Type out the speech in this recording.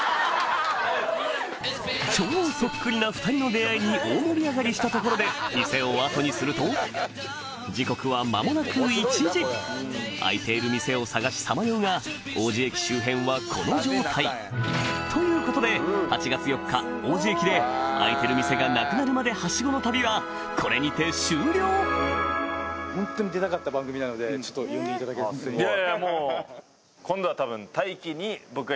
超そっくりな２人の出会いに大盛り上がりしたところで店を後にすると時刻は間もなく１時開いている店を探しさまようが王子駅周辺はこの状態ということで８月４日王子駅で開いてる店がなくなるまでハシゴの旅はこれにて終了楽しそうでしたね！